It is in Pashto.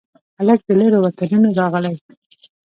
هلک د لیرو وطنونو راغلي